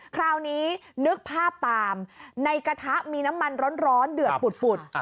คราวนี้นึกภาพตามในกระทะมีน้ำมันร้อนเดือดปุด